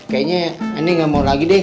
kayaknya ini gak mau lagi deh